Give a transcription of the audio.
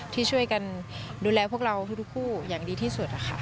ที่ช่วยกันดูแลพวกเราทุกคู่อย่างดีที่สุด